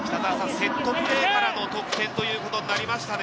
セットプレーからの得点ということになりましたね。